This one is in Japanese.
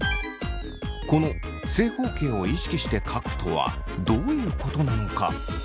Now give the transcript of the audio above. この「正方形を意識して書く」とはどういうことなのか？